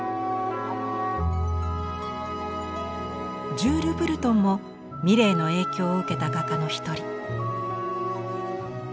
ジュール・ブルトンもミレーの影響を受けた画家の一人。